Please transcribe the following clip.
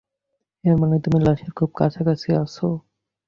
এর মানে তুমি লাশের খুব কাছাকাছি আছো।